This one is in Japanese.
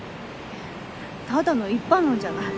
ただの一般論じゃない。